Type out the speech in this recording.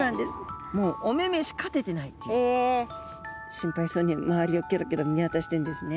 心配そうに周りをキョロキョロ見渡してるんですね。